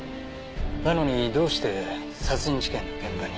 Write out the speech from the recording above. なのにどうして殺人事件の現場に。